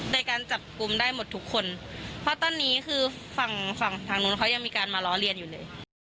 ในการจับกลุ่มได้หมดทุกคนเพราะตอนนี้คือฝั่งฝั่งทางนู้นเขายังมีการมาล้อเลียนอยู่เลย